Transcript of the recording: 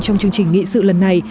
trong chương trình nghị sự lần này